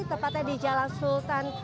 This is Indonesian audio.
tempatnya di jalan sultan